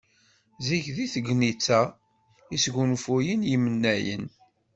Zik deg tegnit-a i sgunfuyen yemnayen.